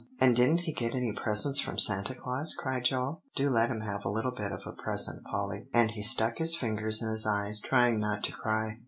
'" "And didn't he get any presents from Santa Claus?" cried Joel. "Do let him have a little bit of a present, Polly;" and he stuck his fingers in his eyes, trying not to cry.